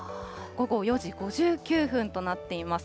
午後４時５９分となっています。